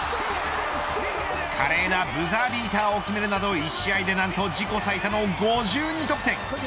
華麗なブザービーターを決めるなど、１試合で何と自己最多の５２得点。